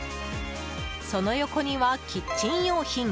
その横には、キッチン用品。